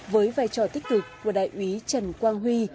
với vai trò tích cực của đại úy trần quang huy